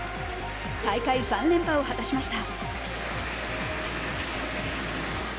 大会３連覇を果たしました。